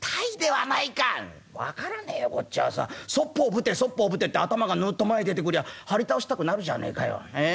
『そっぽをぶてそっぽをぶて』って頭がヌウッと前出てくりゃはり倒したくなるじゃねえかよ。